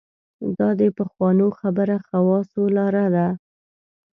دا د پخوانو خبره خواصو لاره ده.